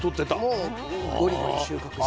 もうゴリゴリ収穫したり。